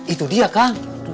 itu dia kang